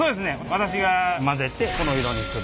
私が混ぜてこの色にする。